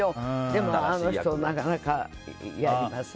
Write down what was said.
でも、あの人なかなか、やります。